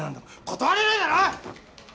断れないだろ！